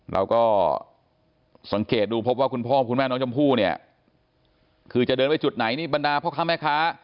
เราก็สังเกตดูพบว่าคุณพ่อคุณแม่น้องชมพู่เนี่ยคือจะเดินไปจุดไหนนี่บรรดาพ่อค้าแม่ค้า